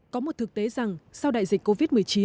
có một thực tế rằng sau đại dịch covid một mươi chín